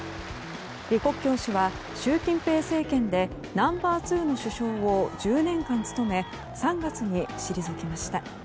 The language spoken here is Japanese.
李克強氏は、習近平政権でナンバー２の首相を１０年間務め３月に退きました。